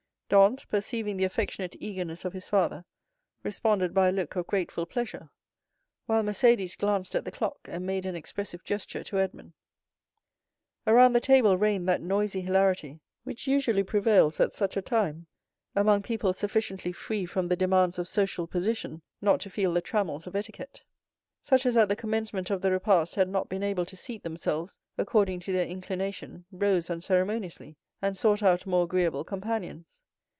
Dantès, perceiving the affectionate eagerness of his father, responded by a look of grateful pleasure; while Mercédès glanced at the clock and made an expressive gesture to Edmond. Around the table reigned that noisy hilarity which usually prevails at such a time among people sufficiently free from the demands of social position not to feel the trammels of etiquette. Such as at the commencement of the repast had not been able to seat themselves according to their inclination rose unceremoniously, and sought out more agreeable companions.